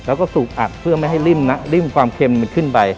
แล้วก็สูบอัดเพื่อไม่ให้ริ่มความเค็มขึ้นไป